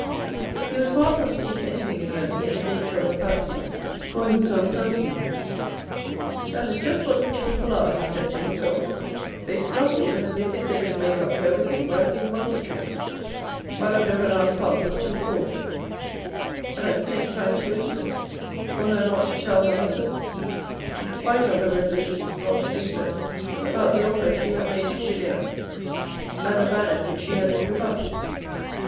He was far from seeing anything in them in the nature of a fancy for himself personally. "That is just what rich people are," he said to himself —" they snub you and then they think they can make up for everything by a few monkey tricks." Madame de Renal's heart was too full, and at the same time THE ELECTIVE AFFINITIES 41 too innocent, for her not too tell her husband, in spite of her resolutions not to do so, about the offer she had made to Julien, and the manner in which she had been rebuffed.